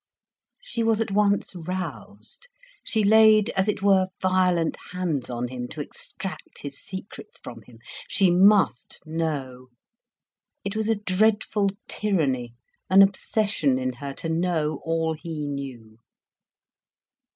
She was at once roused, she laid as it were violent hands on him, to extract his secrets from him. She must know. It was a dreadful tyranny, an obsession in her, to know all he knew.